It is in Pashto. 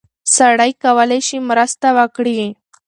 سړی کولی شي مرسته وکړي.